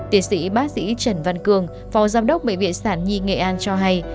tiến sĩ bác sĩ trần văn cường phò giám đốc bệ viện sản nhi nghệ an cho hay